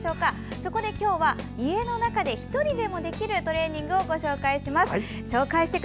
そこで今日は家の中で１人でもできるトレーニングをご紹介します。